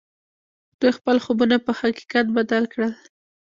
دوی خپل خوبونه پر حقيقت بدل کړل.